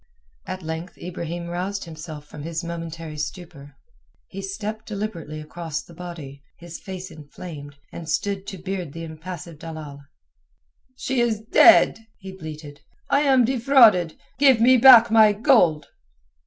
At length Ibrahim roused himself from his momentary stupor. He stepped deliberately across the body, his face inflamed, and stood to beard the impassive dalal. "She is dead!" he bleated. "I am defrauded. Give me back my gold!"